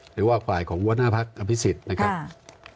หรือว่าฝ่ายของหัวหน้าพักอภิษฎนะครับ